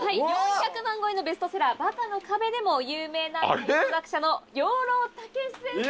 ４００万超えのベストセラー『バカの壁』でも有名な解剖学者の養老孟司先生です。